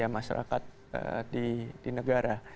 masyarakat di negara